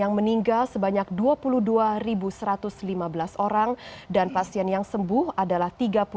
yang meninggal sebanyak dua puluh dua satu ratus lima belas orang dan pasien yang sembuh adalah tiga puluh dua enam ratus tiga puluh empat